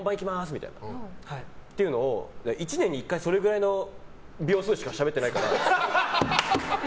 みたいな。っていうのを１年に１回それくらいの秒数しかしゃべってないから。